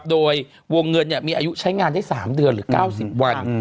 โดยวงเงินมีอายุใช้งานได้๓เดือนหรือ๙๐วัน